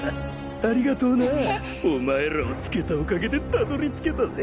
ありがとうなお前らをつけたおかげでたどり着けたぜ。